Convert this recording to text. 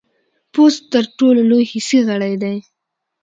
پوست ټولو لوی حسي غړی دی.